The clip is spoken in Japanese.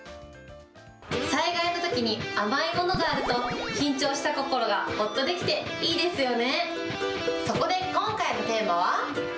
災害のときに甘いものがあると、緊張した心がほっとできていいですよね。